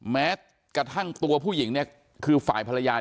แม้กระทั่งตัวผู้หญิงเนี่ยคือฝ่ายภรรยา